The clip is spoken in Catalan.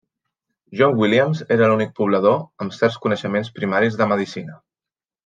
John Williams era l'únic poblador amb certs coneixements primaris de medicina.